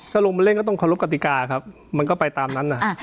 ถ้าลงมาเล่นก็ต้องเคารพกติกาครับมันก็ไปตามนั้น